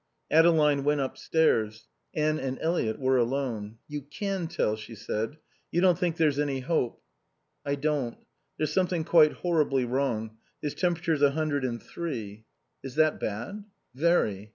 Adeline went upstairs. Anne and Eliot were alone. "You can tell," she said. "You don't think there's any hope." "I don't. There's something quite horribly wrong. His temperature's a hundred and three." "Is that bad?" "Very."